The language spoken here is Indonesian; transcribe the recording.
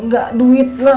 gak duit lah